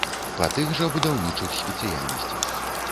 Па тых жа будаўнічых спецыяльнасцях.